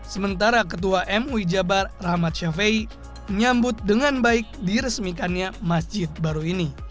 sementara ketua mui jabar rahmat syafiei menyambut dengan baik diresmikannya masjid baru ini